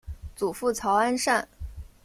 祖父曹安善。